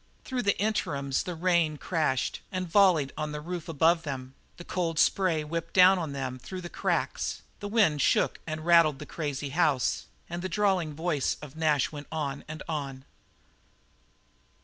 Through the interims the rain crashed and volleyed on the roof above them; the cold spray whipped down on them through the cracks; the wind shook and rattled the crazy house; and the drawling voice of Nash went on and on.